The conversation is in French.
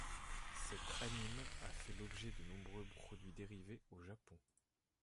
Cette anime a fait l’objet de nombreux produits dérivés au Japon.